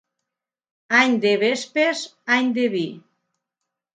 Any de vespes, any de vi.